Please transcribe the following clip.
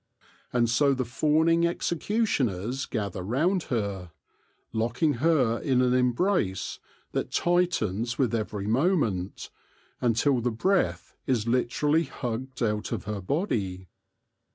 And so the fawning executioners gather round her, locking her in an embrace that tightens with every moment, until the breath is literally hugged out of her body.